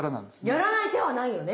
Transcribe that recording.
やらない手はないよね。